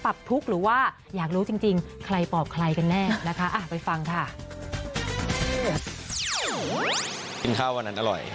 เพราะเราถามตัวเองให้รอดก่อนเพราะเราอย่าตอบตัวเองให้รอดก่อน